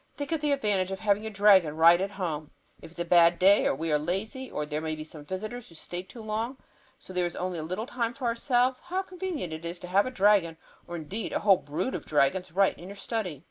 Think of the advantage of having your dragon right at home! If it is a bad day, or we are lazy, or there may be visitors who stay too long so there is only a little time for ourselves, how convenient it is to have a dragon or indeed a whole brood of dragons right in your study.